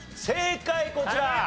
正解こちら。